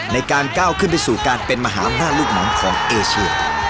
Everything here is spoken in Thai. ในการก้าวขึ้นไปสู่การเป็นมหาอำนาจลูกหนังของเอเชีย